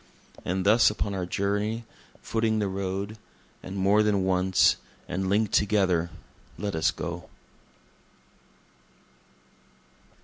And thus upon our journey, footing the road, and more than once, and link'd together let us go.)